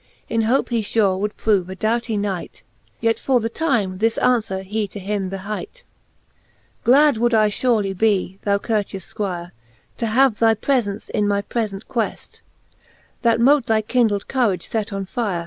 In hope he fure would prove a doughtie knight? Yet for the time this anfwere he to him behight: XXXVII Glad would I furely be, thou courteous Squire, To have thy prelence in my prefent queft^ That mote thy kindled courage fet on fire.